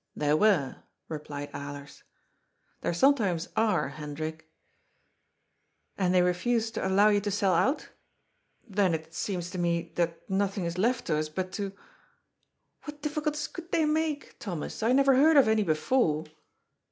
" There were," replied Alers. " There sometimes are, Hendrik." THE SHADOW OF THE SWORD. 409 " And they refused to allow you to sell out ? Then it seems to me that nothing is left us but to What diffi culties could they make, Thomas? I never heard of any before."